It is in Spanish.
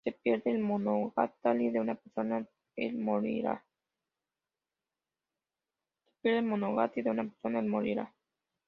Si se pierde el "monogatari" de una persona, el morirá.